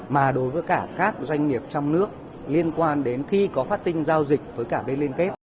mà đối với cả các doanh nghiệp trong nước liên quan đến khi có phát sinh giao dịch với cả bên liên kết